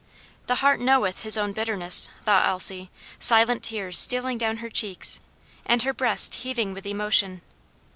"'The heart knoweth his own bitterness!'" thought Elsie, silent tears stealing down her cheeks, and her breast heaving with emotion.